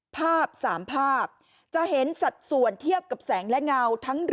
ภาพ๓ภาพจะเห็นสัดส่วนเทียบกับแสงและเงาทั้ง๑